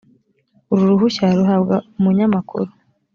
uru ruhushya ruhabwa umunyamakuru